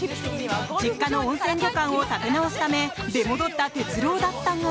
実家の温泉旅館を立て直すため出戻った哲郎だったが。